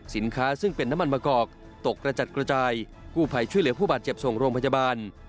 สินค้าซึ่งเป็นน้ำมันมะกอกตกกระจัดกระจายกู้ภัยช่วยเหลือผู้บาดเจ็บส่งโรงพยาบาล